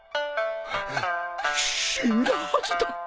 死んだはずだ。